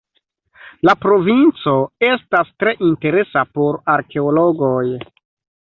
La provinco estas tre interesa por arkeologoj.